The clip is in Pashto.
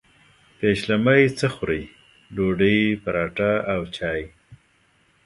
پیشلمۍ څه خورئ؟ ډوډۍ، پراټه او چاي